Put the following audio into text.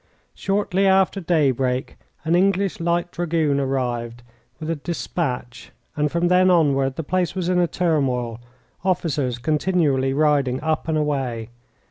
Shortly after daybreak an English light dragoon arrived with a despatch, and from then onward the place was in a turmoil, officers continually riding up and away.